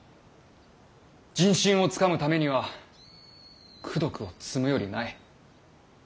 人心をつかむためには功徳を積むよりない。